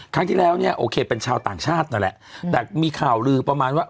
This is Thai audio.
ครั้งที่แล้วเนี่ยโอเคเป็นชาวต่างชาตินั่นแหละแต่มีข่าวลือประมาณว่า